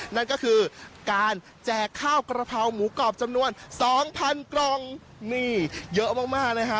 นั่นก็คือการแจกข้าวกระเพราหมูกรอบจำนวน๒๐๐กล่องนี่เยอะมากนะฮะ